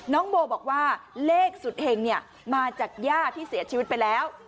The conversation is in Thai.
น้องโบบอกว่าเลขสุดเห็งเนี่ยมาจากย่าที่เสียชีวิตไปแล้ว